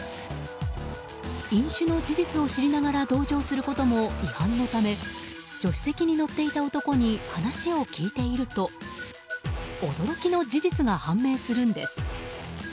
飲酒の事実を知りながら同乗することも違反のため助手席に乗っていた男に話を聞いていると驚きの事実が判明するんです。